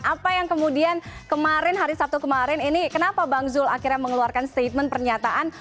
apa yang kemudian kemarin hari sabtu kemarin ini kenapa bang zul akhirnya mengeluarkan statement pernyataan